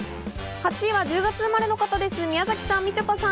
８位は１０月生まれの方です、宮崎さん、みちょぱさん。